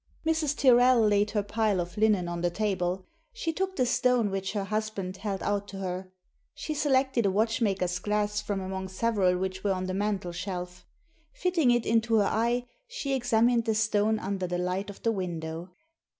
Mrs. Tyrrel laid her pile of linen on the table. She took the stone which her husband held out to her. She selected a watchmaker's glass from among several which were on the mantel shelf. Fitting it into her eye, she examined the stone under the light of the window.